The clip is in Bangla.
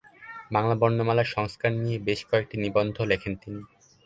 বাংলা বর্ণমালার সংস্কার নিয়ে বেশ কয়েকটি নিবন্ধ লেখেন তিনি।